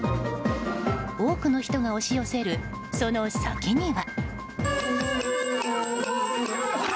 多くの人が押し寄せるその先には。